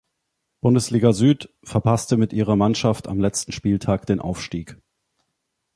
Bundesliga Süd, verpasste mit ihrer Mannschaft am letzten Spieltag den Aufstieg.